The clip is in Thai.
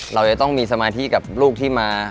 เราจะต้องมีสมาธิกับลูกที่มา